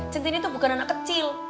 centini tuh bukan anak kecil